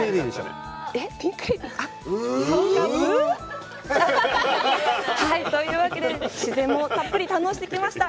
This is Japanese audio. ピンク・レディー？というわけで、自然もたっぷり堪能してきました。